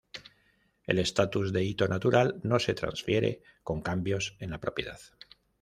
El estatus de hito natural no se transfiere con cambios en la propiedad.